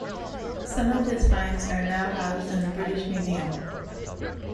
Some of his finds are now housed in the British Museum.